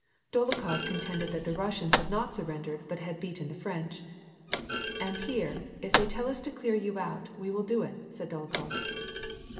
Dolokhof contended that the Russians had not surrendered hut had beaten the French. " And here, if they tell us to clear you out, we will do it," said Dolokhof.